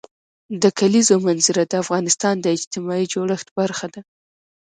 د کلیزو منظره د افغانستان د اجتماعي جوړښت برخه ده.